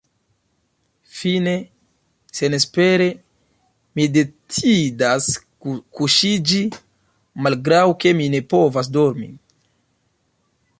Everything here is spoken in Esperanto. Fine, senespere, mi decidas kuŝiĝi, malgraŭ ke mi ne povas dormi.